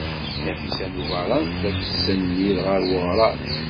Nafisa n Ubeṛṛan tella tettsennid ɣer weɣrab.